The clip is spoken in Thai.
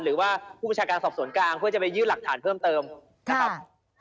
หรือว่าผู้ประชาการสอบสวนกลางเพื่อจะไปยื่นหลักฐานเพิ่มเติมนะครับ